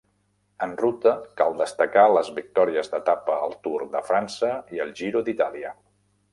En ruta cal destacar les victòries d'etapa al Tour de França i al Giro d'Itàlia.